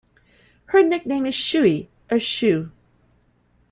Her nickname is 'Schuey' or 'schu'.